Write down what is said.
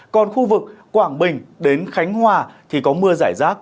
còn khu vực quảng bình đến khánh hòa thì có mưa giải rác